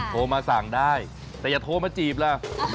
โทรมาสั่งได้แต่อย่าโทรมาจีบล่ะ